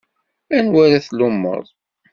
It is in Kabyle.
Anwa ara tlummeḍ?